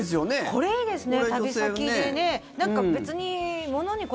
これいいですね。